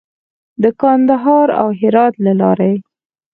د کندهار او هرات له لارې.